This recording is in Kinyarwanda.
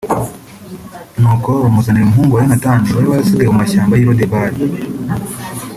Ni uko bamuzanira umuhungu wa Yonatani wari warasigaye mu mashyamba y’i Lodebari